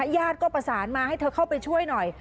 ญาติก็ประสานมาให้เธอเข้าไปช่วยหน่อย